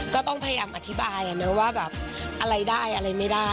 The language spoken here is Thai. ก็ต้องพยายามอธิบายว่าแบบอะไรได้อะไรไม่ได้